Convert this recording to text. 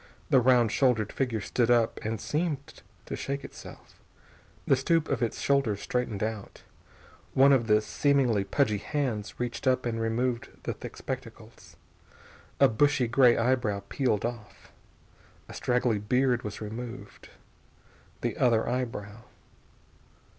The round shouldered figure stood up and seemed to shake itself. The stoop of its shoulders straightened out. One of the seemingly pudgy hands reached up and removed the thick spectacles. A bushy gray eyebrow peeled off. A straggly beard was removed. The other eyebrow....